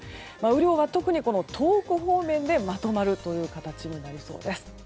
雨量は特に東北方面でまとまるという形になりそうです。